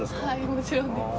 もちろんです。